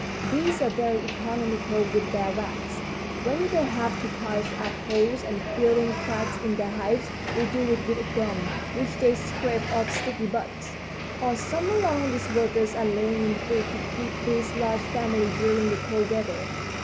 Bees are very economical with their wax. When they have to patch up holes and fill in cracks in their hives they do it with a gum which they scrape off sticky buds. "All summer long these workers are laying in food to keep this large family during the cold weather.